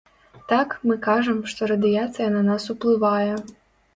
Так, мы кажам, што радыяцыя на нас уплывае.